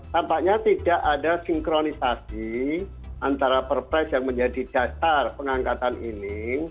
tampaknya tidak ada sinkronisasi antara perpres yang menjadi dasar pengangkatan ini